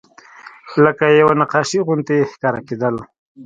لکه یوه نقاشي غوندې ښکاره کېدل.